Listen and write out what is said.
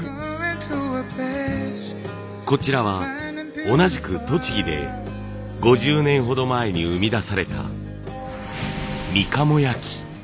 こちらは同じく栃木で５０年ほど前に生み出されたみかも焼。